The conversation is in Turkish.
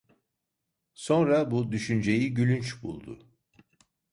Sonra bu düşünceyi gülünç buldu.